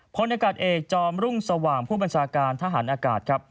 พลอากาศเอกจอมรุ่งสว่างผู้บัญชาการทหารอากาศครับ